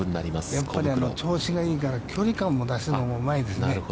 やっぱり調子がいいから距離感を出すのもうまいですね。